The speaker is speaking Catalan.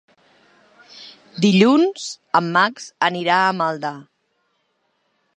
Dilluns en Max anirà a Maldà.